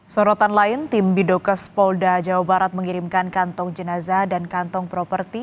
sorotan lain tim bidokes polda jawa barat mengirimkan kantong jenazah dan kantong properti